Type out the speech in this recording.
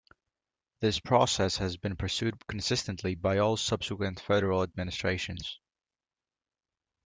This process has been pursued consistently by all subsequent federal administrations.